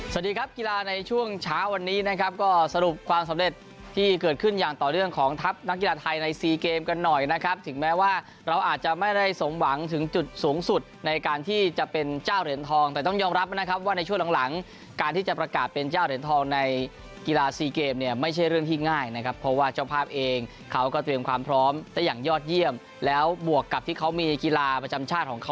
สวัสดีครับกีฬาในช่วงเช้าวันนี้นะครับก็สรุปความสำเร็จที่เกิดขึ้นอย่างต่อเรื่องของทัพนักกีฬาไทยในซีเกมกันหน่อยนะครับถึงแม้ว่าเราอาจจะไม่ได้สงหวังถึงจุดสูงสุดในการที่จะเป็นเจ้าเหรียญทองแต่ต้องยอมรับนะครับว่าในช่วงหลังหลังการที่จะประกาศเป็นเจ้าเหรียญทองในกีฬาซีเก